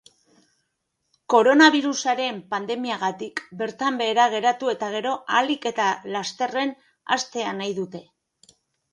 Koronabirusaren pandemiagatik bertan behera geratu eta gero ahalik eta lasterren hastea nahi dute.